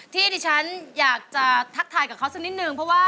ที่ดิฉันอยากจะทักทายกับเขาสักนิดนึงเพราะว่า